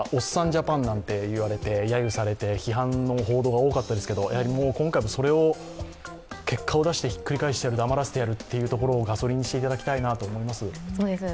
ジャパンなんて言われてやゆされて、批判の報道が多かったですけど今回も結果を出してひっくり返してやる、黙らせてやるというところで頑張っていただきたいと思います。